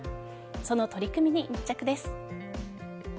その取り組みに密着です。